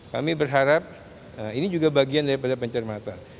kami berharap ini juga bagian dari pencermatan